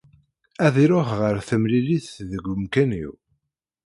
Ad iruḥ ɣer temlilit deg umkan-iw.